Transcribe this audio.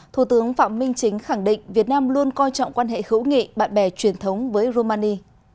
thủ tướng phạm minh chính khẳng định việt nam luôn coi trọng quan hệ hữu nghị bạn bè truyền thống với romani